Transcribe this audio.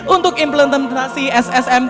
untuk implementasi ssm